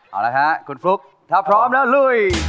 เอาละฮะคุณฟลุ๊กถ้าพร้อมแล้วลุย